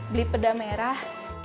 beli peda merah